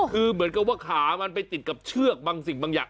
คือเหมือนกับว่าขามันไปติดกับเชือกบางสิ่งบางอย่าง